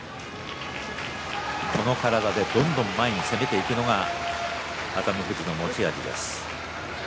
この体で、どんどん前に攻めていくのが熱海富士の持ち味です。